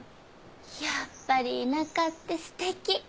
やっぱり田舎って素敵。